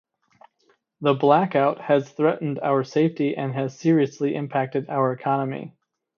The Blackout has threatened our safety and has seriously impacted our economy.